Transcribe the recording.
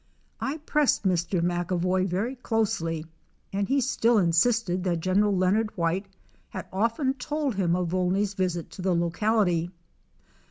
I pressed Mr. McAvoy very closely and he still insisted that Gen. Leo nard White had often told him of Volney's visit to that locality.